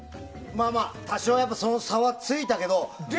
多少はその差はついたけど。